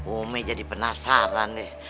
umi jadi penasaran deh